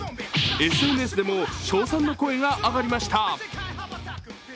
ＳＮＳでも称賛の声が上がりました。